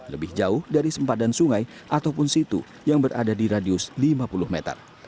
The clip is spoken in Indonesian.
lebih jauh dari sempadan sungai ataupun situ yang berada di radius lima puluh meter